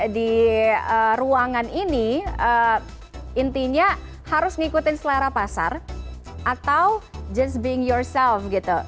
di ruangan ini intinya harus ngikutin selera pasar atau just being yourself gitu